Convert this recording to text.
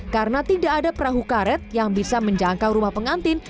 karena tidak ada perahu karet yang bisa menjangkau rumah pengantin